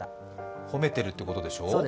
褒めてるってことでしょ。